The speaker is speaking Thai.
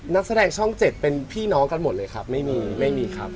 นักแสดงช่องเจ็ดเป็นพี่น้องกันหมดเลยครับไม่มีไม่มีครับ